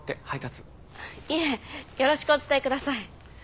いえよろしくお伝えください。